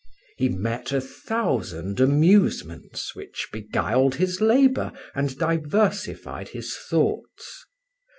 He met a thousand amusements, which beguiled his labour and diversified his thoughts.